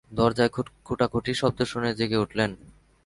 দরজায় খুটাখুটি শব্দ শুনে জেগে উঠলেন।